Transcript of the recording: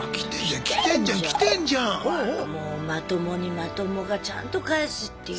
まともにまともがちゃんと返すっていう。